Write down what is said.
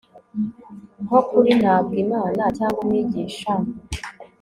Nko kuri Ntabwo Imana cyangwa Umwigisha